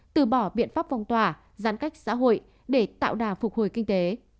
từ bỏ biện pháp phong tỏa giãn cách xã hội để tạo đà phục hồi kinh tế